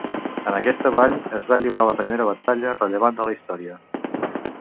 En aquesta vall es va lliurar la primera batalla rellevant de la història.